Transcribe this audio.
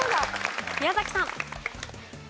宮崎さん。